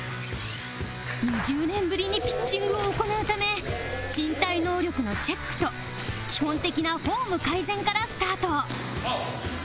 ２０年ぶりにピッチングを行うため身体能力のチェックと基本的なフォーム改善からスタート